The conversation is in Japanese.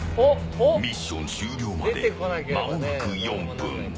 ミッション終了までまもなく４分。